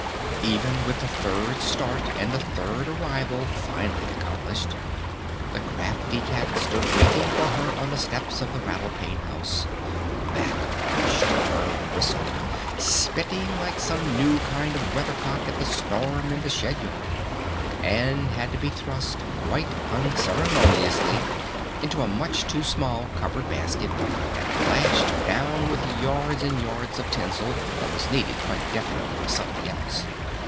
Even with the third start and the third arrival finally accomplished, the crafty cat stood waiting for her on the steps of the Rattle Pane House, back arched, fur bristled, spitting like some new kind of weather cock at the storm in the shed yard, and had to be thrust quite unceremoniously into a much too small covered basket and lashed down with yards and yards of tinsel that was needed quite definitely for something else.